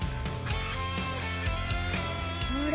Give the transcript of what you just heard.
あれ？